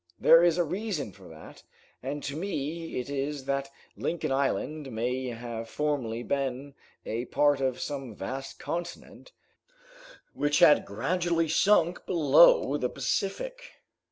There is a reason for that, and to me it is that Lincoln Island may have formerly been a part of some vast continent which had gradually sunk below the Pacific."